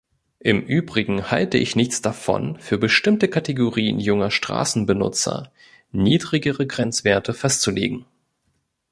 Im Übrigen halte ich nichts davon, für bestimmte Kategorien junger Straßenbenutzer niedrigere Grenzwerte festzulegen.